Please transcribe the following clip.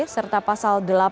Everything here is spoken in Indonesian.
serta pasal delapan